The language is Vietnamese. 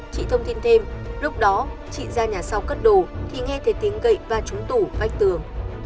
chị thông tin thêm lúc đó chị ra nhà sau cất đồ thì nghe thấy tiếng gậy và trúng tủ vách tường